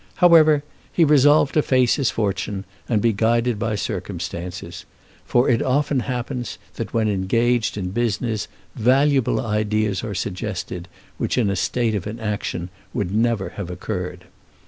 However, he resolved to face his fortune and be guided by circumstances; for it often happens, that when engaged in business valuable ideas are suggested, which in a state of inaction would never have occurred.